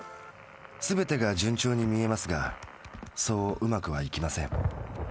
すべてが順調に見えますがそううまくはいきません。